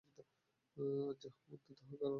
আজ যাহা মন্দ, কাল তাহা ভাল হইতে পারে।